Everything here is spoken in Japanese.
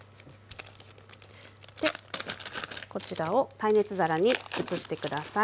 でこちらを耐熱皿に移して下さい。